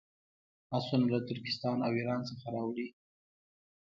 آسونه له ترکستان او ایران څخه راوړي.